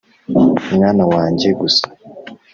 mwana wanjye gusa